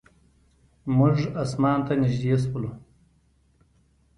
موږ اسمان ته نږدې شولو.